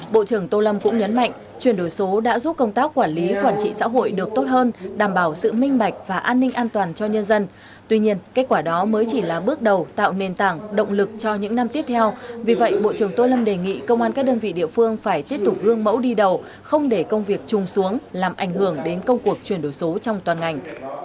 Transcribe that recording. bộ trưởng tô lâm cũng nhấn mạnh chuyển đổi số đã giúp công tác quản lý quản trị xã hội được tốt hơn đảm bảo sự minh mạch và an ninh an toàn cho nhân dân tuy nhiên kết quả đó mới chỉ là bước đầu tạo nền tảng động lực cho những năm tiếp theo vì vậy bộ trưởng tô lâm đề nghị công an các đơn vị địa phương phải tiếp tục gương mẫu đi đầu không để công việc trùng xuống làm ảnh hưởng đến công cuộc chuyển đổi số trong toàn ngành